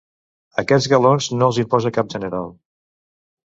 Aquests galons no els imposa cap general.